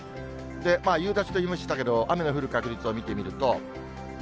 夕立と言いましたけれども、雨の降る確率を見てみると。